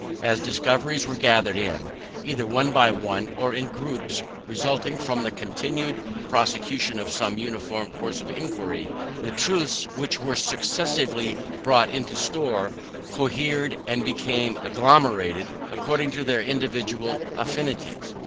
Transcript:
As discoveries were gathered in, either one by one, or in groups resulting from the continued prosecution of some uniform course of inquiry, the truths which were successively brought into store cohered and became agglomerated according to their individual affinities.